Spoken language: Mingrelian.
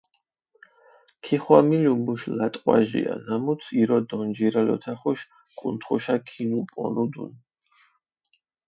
ქიხვამილუ მუშ ლატყვაჟია, ნამუთ ირო დანჯირალ ოთახუშ კუნთხუშა კინუპონუდუნ.